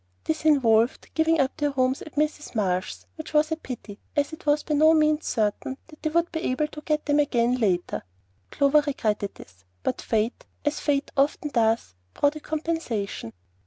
This involved giving up their rooms at Mrs. Marsh's, which was a pity, as it was by no means certain that they would be able to get them again later. Clover regretted this; but Fate, as Fate often does, brought a compensation.